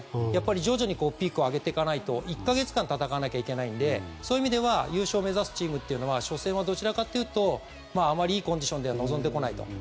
徐々にピークを上げていかないと１か月間戦わないといけないのでそういう意味では優勝目指すチームは初戦はどちらかというとあまりいいコンディションでは臨んでこないと。